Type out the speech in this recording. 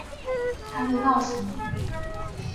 她会告诉你